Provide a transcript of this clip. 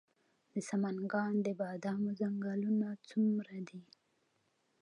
د سمنګان د بادامو ځنګلونه څومره دي؟